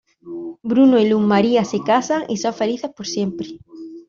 Bruno y Luz Maria se casan y son felices por siempre.